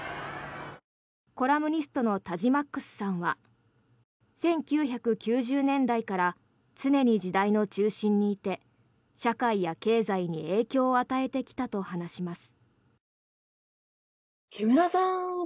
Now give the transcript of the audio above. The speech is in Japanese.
コラムニストのＴａｊｉｍａｘさんは１９９０年代から常に時代の中心にいて社会や経済に影響を与えてきたと話します。